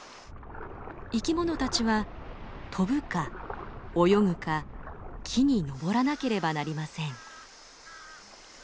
生き物たちは飛ぶか泳ぐか木に登らなければなりません。